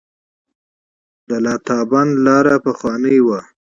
د لاتابند لاره پخوانۍ وه